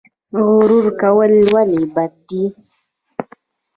غرور کول ولې بد دي؟